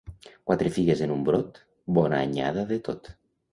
Quatre figues en un brot, bona anyada de tot.